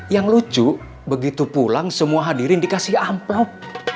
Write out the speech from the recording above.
yang lucu begitu pulang semua hadirin dikasih amplop